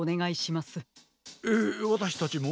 えっわたしたちも？